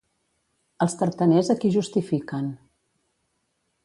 Els tartaners a qui justifiquen?